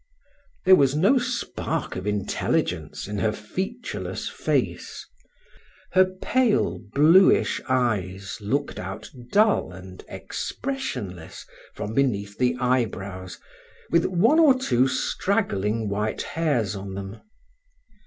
There was no spark of intelligence in her featureless face; her pale, bluish eyes looked out dull and expressionless from beneath the eyebrows with one or two straggling white hairs on them.